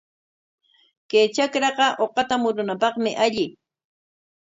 Kay trakraqa uqata murunapaqmi alli.